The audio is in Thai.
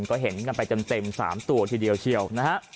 ก็เห็นกันไปจนเต็ม๓ตัวทีเดียวเชียวนะฮะ